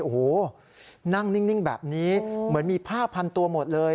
โอ้โหนั่งนิ่งแบบนี้เหมือนมีผ้าพันตัวหมดเลย